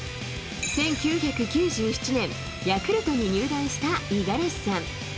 １９９７年、ヤクルトに入団した五十嵐さん。